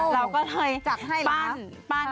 เราก็เลยปั้น